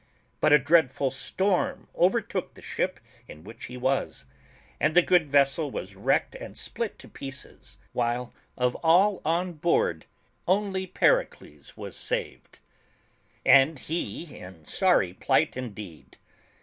But a dreadful storm overtook the ship in which he was, and the good vessel was wrecked and split to pieces, while of all on board only Pericles was saved, and he in sorry plight indeed.